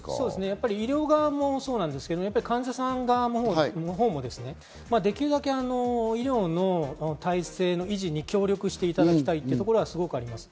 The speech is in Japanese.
医療側もそうですけど、患者さん側のほうもできるだけ医療の体制の維持に協力していただきたいというところがすごくあります。